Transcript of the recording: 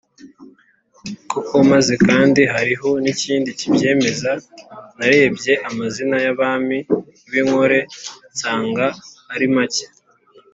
koko. maze kandi hariho n’ikindi kibyemeza: narebye amazina y’abami b’innkore nsanga ari make